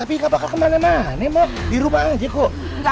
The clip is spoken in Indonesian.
aientah udah bang